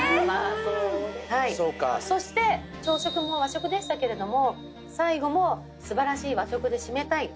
朝食も和食でしたけれども最後も素晴らしい和食で締めたい。